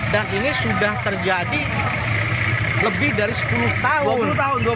dan ini sudah terjadi lebih dari sepuluh tahun